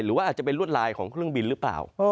หรือว่าอาจจะเป็นรวดลายของเครื่องบินหรือเปล่า